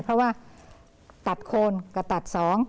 เพราะว่าตัดโคนก็ตัดสอง